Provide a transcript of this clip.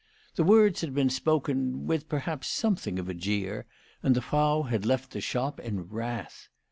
The words had been spoken with, perhaps, something of a jeer, and the Yrau had left the shop in wrath.